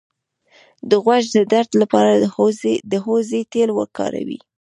د غوږ د درد لپاره د هوږې تېل وکاروئ